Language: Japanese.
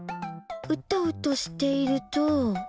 うとうとしていると。